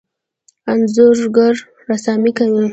انځورګر رسامي کوي.